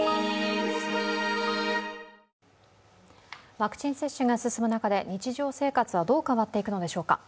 ワクチン接種が進む中で日常生活はどう変わっていくのでしょうか。